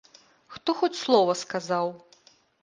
Хто хоць слова сказаў?